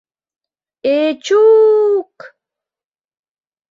Эч-чу-ук!